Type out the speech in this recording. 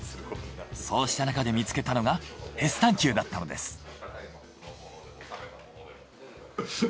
そうしたなかで見つけたのがヘスタンキューだったのです。